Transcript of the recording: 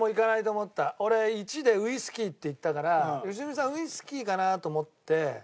俺１でウイスキーって言ったから良純さんウイスキーかなと思って。